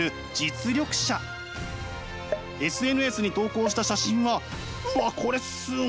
ＳＮＳに投稿した写真はうわっこれすごい！